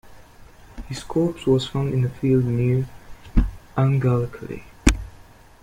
His corpse was found in a field near Aughnacloy.